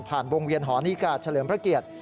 วงเวียนหอนิกาเฉลิมพระเกียรติ